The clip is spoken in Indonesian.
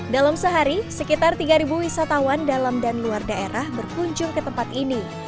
dalam sehari sekitar tiga wisatawan dalam dan luar daerah berkunjung ke tempat ini